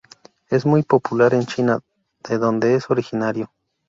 Es muy popular en China, de donde es originario.